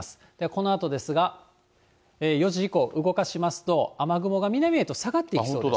このあとですが、４時以降、動かしますと、雨雲が南へと下がっていきそうです。